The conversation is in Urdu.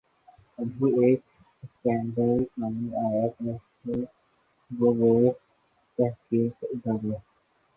ابھی ایک سکینڈل سامنے آیا کہ کیسے زرعی تحقیقی ادارے